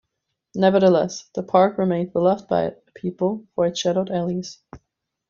Nevertheless, the Park remained beloved by the people for its shadowed alleys.